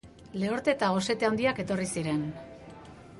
Lehorte eta gosete handiak etorri ziren.